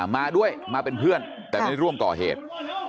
มาด้วยมาเป็นเพื่อนแต่ไม่ได้ร่วมก่อเหตุ